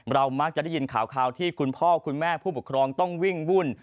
มักจะได้ยินข่าวที่คุณพ่อคุณแม่ผู้ปกครองต้องวิ่งวุ่น